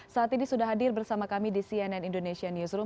saat ini sudah hadir bersama kami di cnn indonesia newsroom